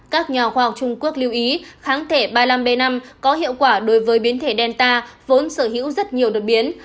các nhà khoa học trung quốc lưu ý kháng thể ba mươi năm b năm có hiệu quả đối với biến thể delta vốn sở hữu rất nhiều đột biến